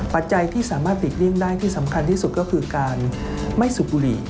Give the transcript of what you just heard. ปัจจัยที่สามารถหลีกเลี่ยงได้ที่สำคัญที่สุดก็คือการไม่สูบบุหรี่